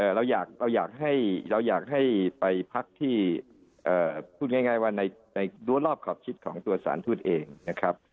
เราอยากให้ไปพักที่พูดง่ายว่าด้วยรอบขอบคิดของตัวสารทูตเองนะครับ